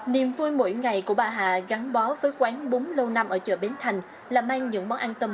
niềm vui mỗi ngày của bà hà gắn bó với quán bún lâu năm ở chợ bến thành là mang những món ăn tâm